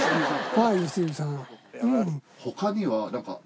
はい良純さん。